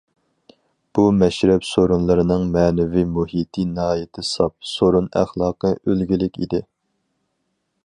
بۇ، مەشرەپ سورۇنلىرىنىڭ مەنىۋى مۇھىتى ناھايىتى ساپ، سورۇن ئەخلاقى ئۈلگىلىك ئىدى.